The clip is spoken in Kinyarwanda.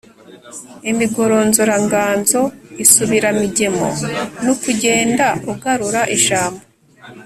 imigoronzoranganzo, isubiramigemo, ni ukugenda ugarura ijambo